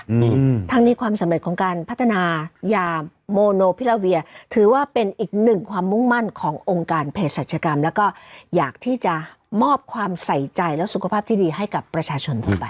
อืมทั้งนี้ความสำเร็จของการพัฒนายาโมโนพิลาเวียถือว่าเป็นอีกหนึ่งความมุ่งมั่นขององค์การเพศรัชกรรมแล้วก็อยากที่จะมอบความใส่ใจและสุขภาพที่ดีให้กับประชาชนทั่วไป